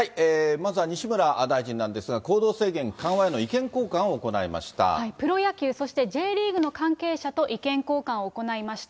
まずは西村大臣なんですが、行動制限緩和への意見交換を行いプロ野球、そしてＪリーグの関係者と意見交換を行いました。